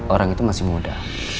orang itu masih muda